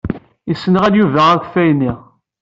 Yessenɣel Yuba akeffay-nni.